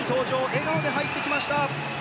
笑顔で入ってきました。